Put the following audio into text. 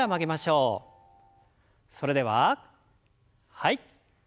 それでははい。